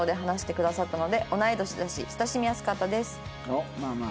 おっまあまあ。